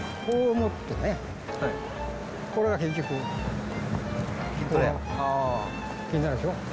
こう持ってね、これが結局、ここの、筋トレになるでしょ。